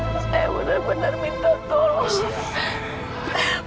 saya benar benar minta tolong